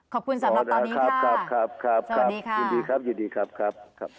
ขอบคุณสำหรับตอนนี้ค่ะสวัสดีค่ะ